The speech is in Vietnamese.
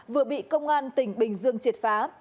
vừa bị công an tỉnh bình dương triệt phá